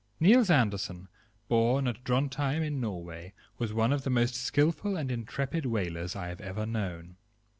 Niels Andersen, born at Drontheim, in Norway, was one of the most skilful and intrepid whalers I have ever known.